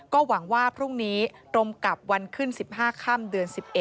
ก็หวังว่าพรุ่งนี้ตรงกับวันขึ้น๑๕ค่ำเดือน๑๑